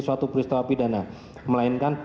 suatu peristawa pidana melainkan